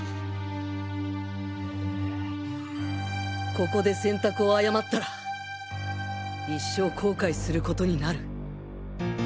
ここで選択を誤ったら一生後悔する事になる。